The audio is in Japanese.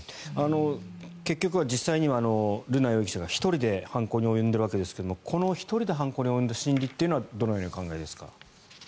結局は実際には瑠奈容疑者が１人で犯行に及んでいるわけですが１人で犯行に及ぶ心理はどのようにお考えですか？